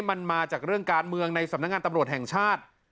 มันมาจากเรื่องการเมืองในสำนักงานตำรวจแห่งชาติ